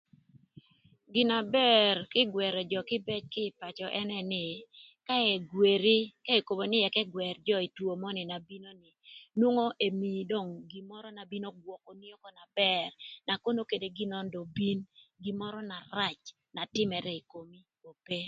Gina bër kï gwërö jö kïbëc kï ï pacö ënë nï ka egweri ka ekobo nï ëk ëgwër jö ï two mö ni na bino ni nwongo emii dong gin mörö na bino gwököni ökö na bër na kono kadï gin mörö na rac na tïmërë ï komi ope.